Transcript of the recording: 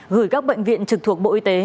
gửi các bệnh viện trực thuộc bộ y tế